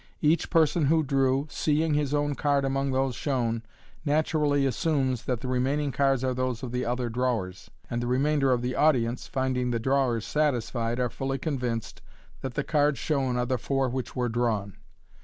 Each person who drew, seeing his own card among those shown, naturally assumes that the remaining cards are those of the other drawers j and the remainder of the audience, finding the drawers satisfied, are fully convinced that the cards shown are the four which were drawn.